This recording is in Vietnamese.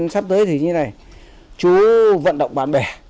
sắp tới thì như thế này chú vận động bạn bè